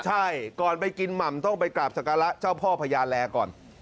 ใช่ก่อนไปกินหม่ำต้องไปกราบสการะเจ้าพ่อพญาแลก่อน